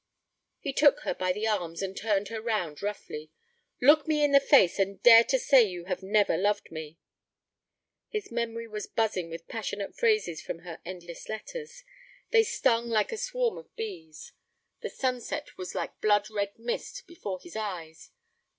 He took her by the arms and turned her round roughly. 'Look me in the face and dare to say you have never loved me.' His memory was buzzing with passionate phrases from her endless letters. They stung like a swarm of bees. The sunset was like blood red mist before his eyes.